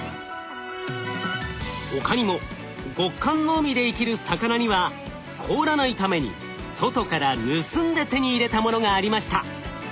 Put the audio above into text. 他にも極寒の海で生きる魚には凍らないために外から盗んで手に入れたものがありました。